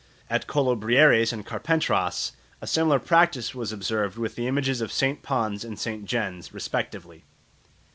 At Collobrières and Carpentras a similar practice was observed with the images of St. Pons and St. Gens respectively.